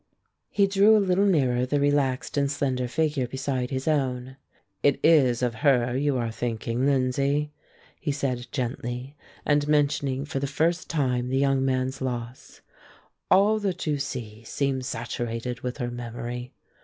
He drew a little nearer the relaxed and slender figure beside his own. "It is of her you are thinking, Lindsay," he said, gently, and mentioning for the first time the young man's loss. "All that you see seems saturated with her memory.